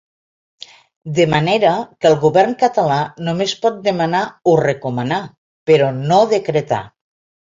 De manera que el govern català només pot demanar o recomanar, però no decretar.